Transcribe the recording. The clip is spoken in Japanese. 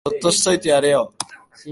そっとしといてやれよ